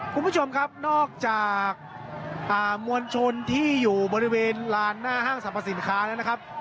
คุณผู้ชมครับนอกจากมวลชนที่อยู่บริเวณลานหน้าห้างสรรพสินค้าแล้วนะครับ